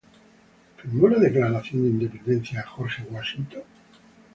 ¿Firmó la Declaración de Independencia George Washington?